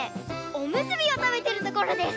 おむすびをたべてるところです！